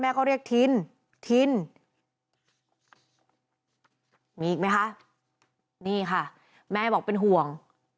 เขาเรียกทินทินมีอีกไหมคะนี่ค่ะแม่บอกเป็นห่วง